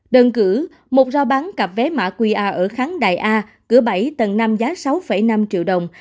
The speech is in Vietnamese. đơn cử một rao bán cặp vé mã qa ở kháng đại a cửa bảy tầng năm giá sáu năm triệu đồng